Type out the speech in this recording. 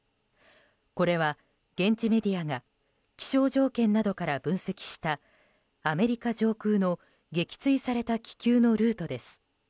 これは、現地メディアが気象条件などから分析したアメリカ上空の撃墜された気球のルートです。